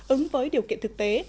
ứng với điều kiện thực tế